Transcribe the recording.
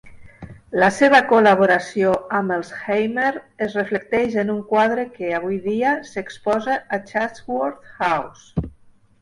La seva col·laboració amb Elsheimer es reflecteix en un quadre que, avui dia, s'exposa a Chatsworth House.